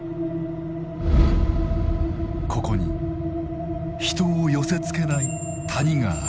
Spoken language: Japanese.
ここに人を寄せつけない谷がある。